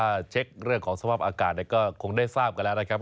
เย็นขึ้นสิแต่ว่าอุณหภูมิมันลดลงไง